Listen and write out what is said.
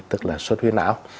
tức là xuất huyết não